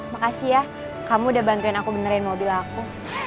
makasih ya kamu udah bantuin aku benerin mobil aku